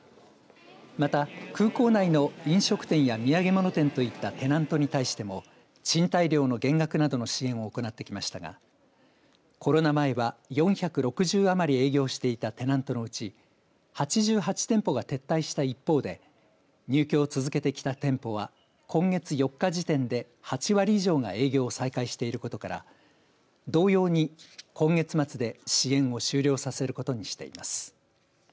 また、空港内の飲食店や土産物店といったテナントに対しても賃貸料の減額などの支援を行ってきましたがコロナ前は４６０余り営業していたテナントのうち８８店舗が撤退した一方で入居を続けてきた店舗は今月４日時点で８割以上が営業を再開していることから同様に今月末で支援を終了させることにしています。